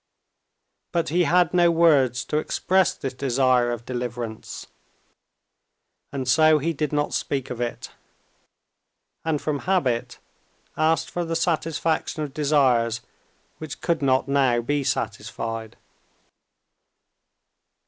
But he had no words to express this desire of deliverance, and so he did not speak of it, and from habit asked for the satisfaction of desires which could not now be satisfied.